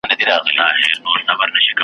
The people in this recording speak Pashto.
همدا راز ځینې انسانان داسې وي